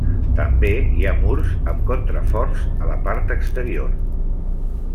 També hi ha murs amb contraforts a la part exterior.